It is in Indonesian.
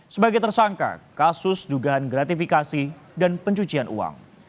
sebagai tersangka kasus dugaan gratifikasi dan pencucian uang